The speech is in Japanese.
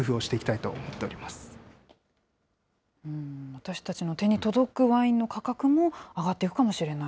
私たちの手に届くワインの価格も、上がっていくかもしれない。